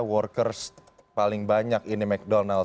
workers paling banyak ini mcdonald's